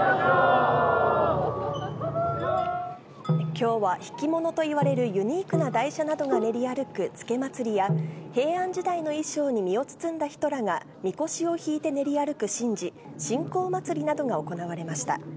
きょうは引き物といわれるユニークな台車などが練り歩く附け祭や、平安時代の衣装に身を包んだ人らがみこしを引いて練り歩く神事、神幸祭などが行われました。